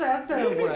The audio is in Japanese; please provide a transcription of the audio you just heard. これ。